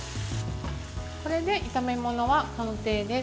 これで炒め物は完成です。